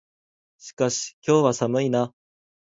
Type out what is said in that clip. しかし、今日は寒いな。